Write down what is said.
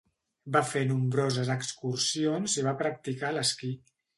Va fer nombroses excursions i va practicar l'esquí.